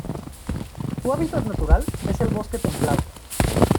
Su hábitat natural es el bosque templado.